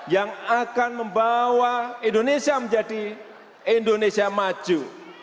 yang akan membawa indonesia menjadi indonesia maju